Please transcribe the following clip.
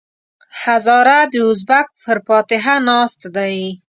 هزاره د ازبک پر فاتحه ناست دی.